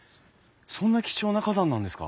そんな貴重な花壇なんですか？